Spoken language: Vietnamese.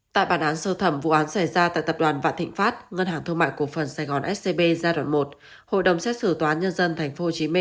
tại bản án sơ thẩm vụ án xảy ra tại tập đoàn vạn thịnh pháp ngân hàng thương mại cổ phần sài gòn scb giai đoạn một hội đồng xét xử tòa án nhân dân tp hcm